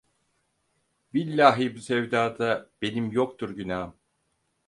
Billahi bu sevdada benim yoktur günahım!